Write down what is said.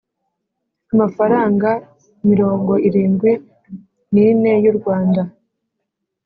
Amafaranga mirongo irindwi n’ ane y’ u Rwanda